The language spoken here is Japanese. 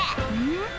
ん？